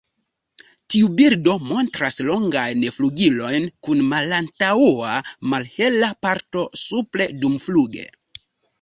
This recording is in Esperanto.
Tiu birdo montras longajn flugilojn kun malantaŭa malhela parto supre dumfluge.